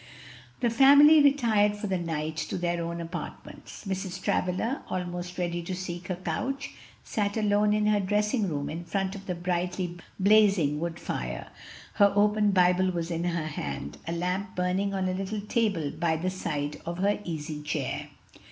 The family had retired for the night to their own apartments. Mrs. Travilla, almost ready to seek her couch, sat alone in her dressing room in front of the brightly blazing wood fire; her open Bible was in her hand, a lamp burning on a little table by the side of her easy chair.